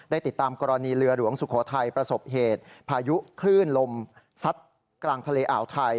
ติดตามกรณีเรือหลวงสุโขทัยประสบเหตุพายุคลื่นลมซัดกลางทะเลอ่าวไทย